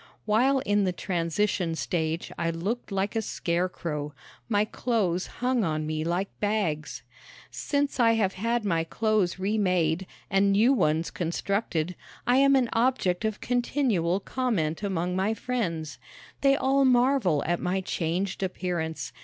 While in the transition stage I looked like a scarecrow. My clothes hung on me like bags. Since I have had my clothes re made and new ones constructed I am an object of continual comment among my friends. They all marvel at my changed appearance.